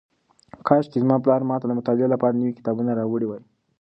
کاشکې زما پلار ماته د مطالعې لپاره نوي کتابونه راوړي وای.